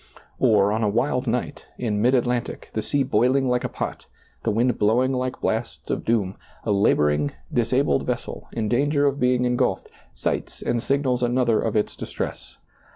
Or, on a wild night, in mid Atlantic, the sea boiling like a pot, the wind blowing like blasts of doom, a laboring, disabled vessel, in danger of being en gulfed, sights and signals another of its distress.